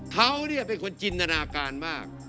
เขาเป็นคนจินตนาการมาก